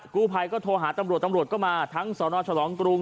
กู้ภัยก็โทรหาตำรวจตำรวจก็มาทั้งสนฉลองกรุง